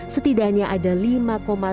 setidaknya ada lima lima juta pengungsi afganistan